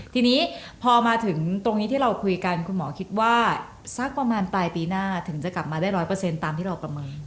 ทีนี้พอมาถึงตรงนี้ที่เราคุยกันคุณหมอคิดว่าสักประมาณปลายปีหน้าถึงจะกลับมาได้๑๐๐ตามที่เราประเมิน